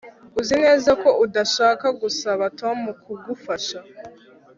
Uzi neza ko udashaka gusaba Tom kugufasha